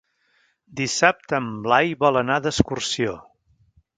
Dissabte en Blai vol anar d'excursió.